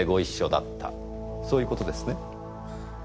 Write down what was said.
そういうことですね？